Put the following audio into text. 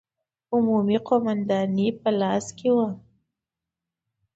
عمومي قومانداني په لاس کې وه.